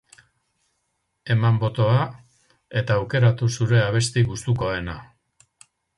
Eman botoa, eta aukeratu zure abesti gustukoena!